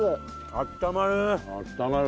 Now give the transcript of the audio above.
あったまる！